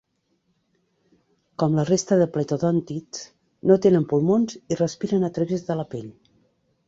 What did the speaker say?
Com la resta de pletodòntids, no tenen pulmons i respiren a través de la pell.